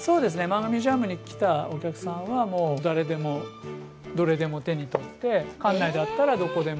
マンガミュージアムに来たお客さんはもう誰でもどれでも手にとって館内だったらどこでも。